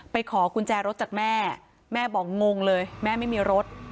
ขอกุญแจรถจากแม่แม่บอกงงเลยแม่ไม่มีรถ